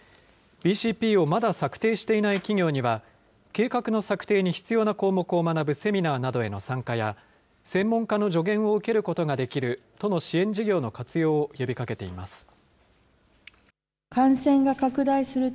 ＢＣＰをまだ策定していない企業には、計画の策定に必要な項目を学ぶセミナーなどへの参加や、専門家の助言を受けることができる都の支援事業の活用を呼びかけています。